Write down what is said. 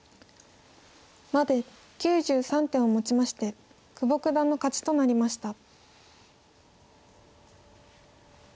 まで９３手をもちまして久保九段の勝ちとなりました。